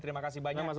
terima kasih banyak